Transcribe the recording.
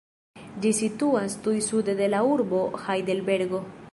Ĝi situas tuj sude de la urbo Hajdelbergo.